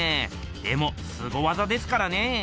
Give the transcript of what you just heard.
でもすご技ですからね。